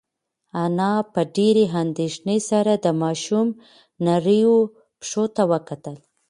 انا په ډېرې اندېښنې سره د ماشوم نریو پښو ته وکتل.